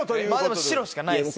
でも白しかないですよ。